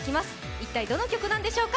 一体どの曲なんでしょうか。